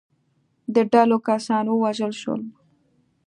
د ډلو کسان ووژل شول.